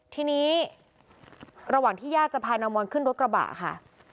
ทีนี้ระหว่างที่ญาติจะพานางมอนขึ้นรถกระบะค่ะ